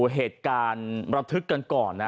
เหตุการณ์ระทึกกันก่อนนะ